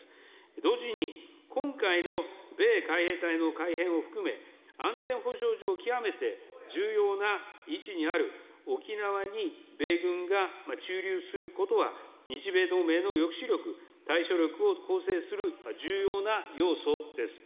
同時に、今回の米海兵隊の改編を含め、安全保障上、極めて重要な位置にある沖縄に米軍が駐留することは、日米同盟の抑止力、対処力を構成する重要な要素です。